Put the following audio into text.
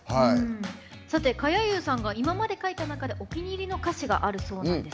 かやゆーさんが今まで書いた中でお気に入りの歌詞があるそうなんです。